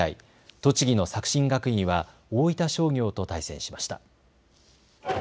栃木の作新学院は大分商業と対戦しました。